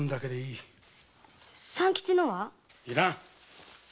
いらん！